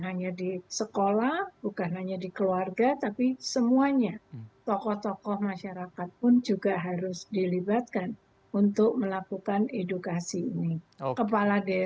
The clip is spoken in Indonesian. kepala desa kepala desa melibatkan tokoh tokoh masyarakat guru guru bidan dan seterusnya